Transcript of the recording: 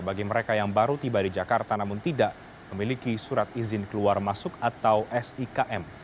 bagi mereka yang baru tiba di jakarta namun tidak memiliki surat izin keluar masuk atau sikm